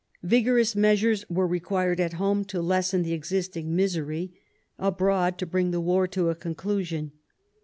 Vigorous measures were required at home to lessen the existing misery ; abroad, to bring the war to a conclusion.